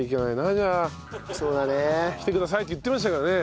来てくださいって言ってましたからね。